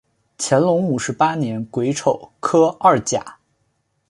乾隆五十八年癸丑科二甲。